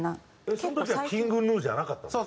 その時はＫｉｎｇＧｎｕじゃなかったんですか？